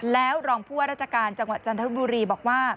แล้วรองผู้ว่าราชการจังหวัดจันทบุรีบอกว่า